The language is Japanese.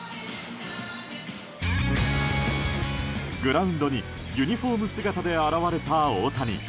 グラウンドにユニホーム姿で現れた大谷。